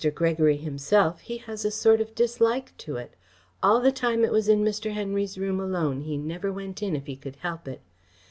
Gregory himself, he has a sort of dislike to it. All the time it was in Mr. Henry's room alone, he never went in if he could help it.